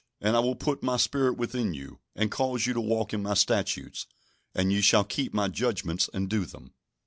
And I will put My Spirit within you, and cause you to walk in My statutes, and ye shall keep My judgments, and do them."